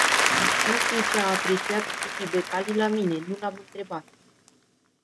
Nu știu ce a apreciat Gigi Becali la mine, nu l-am întrebat.